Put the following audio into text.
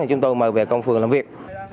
thì chúng tôi mời về công phường làm việc